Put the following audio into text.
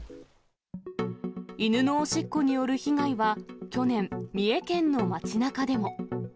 犬のおしっこによる被害は去年、三重県の街なかでも。